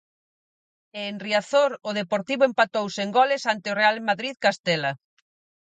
E en Riazor, o Deportivo empatou sen goles ante o Real Madrid Castela.